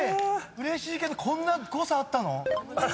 うれしいけどこんな誤差あったの？